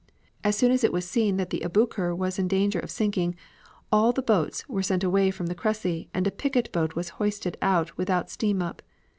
As soon as it was seen that the Aboukir was in danger of sinking, all the boats were sent away from the Cressy, and a picket boat was hoisted out without steam up.